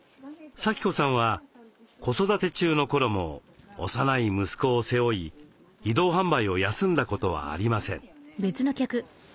さき子さんは子育て中の頃も幼い息子を背負い移動販売を休んだことはありません。